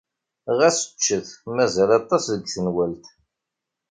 Ɣas ččet. Mazal aṭas deg tenwalt.